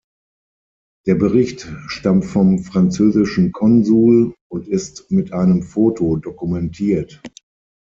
Der Bericht stammt vom französischen Konsul und ist mit einem Foto dokumentiert.